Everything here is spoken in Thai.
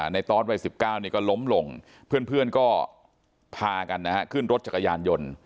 ตอสวัย๑๙ก็ล้มลงเพื่อนก็พากันนะฮะขึ้นรถจักรยานยนต์